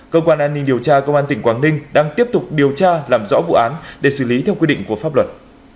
cơ quan an ninh điều tra công an tỉnh quảng ninh đang tiếp tục điều tra làm rõ vụ án để xử lý theo quy định của pháp luật